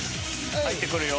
入ってくるよ。